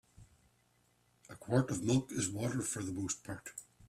A quart of milk is water for the most part.